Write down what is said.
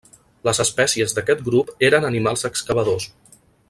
Les espècies d'aquest grup eren animals excavadors.